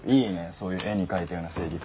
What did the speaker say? そういう絵に描いたような正義感。